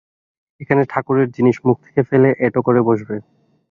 এখানে ঠাকুরের জিনিস, মুখ থেকে ফেলে এঁটো করে বসবে।